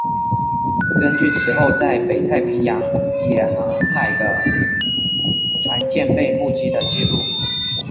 根据此后在北太平洋也航海的船舰被目击的记录。